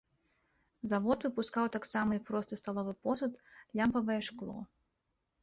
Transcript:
Завод выпускаў таксама і просты сталовы посуд, лямпавае шкло.